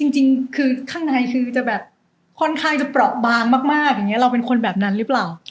จริงคือข้างในคือจะแบบค่อนข้างจะเปราะบางมากอย่างนี้เราเป็นคนแบบนั้นหรือเปล่า